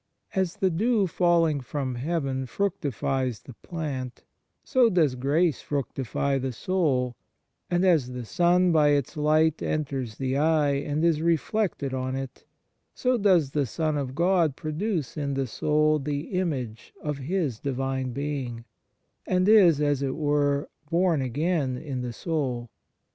As the dew falling from heaven fructifies the plant, so does grace fructify the soul; and as the sun by its light enters the eye and is reflected on it, so does the Son of God produce in the soul the image of His Divine Being, and is, as it were, born again in the soul.